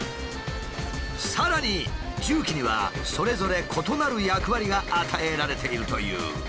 さらに重機にはそれぞれ異なる役割が与えられているという。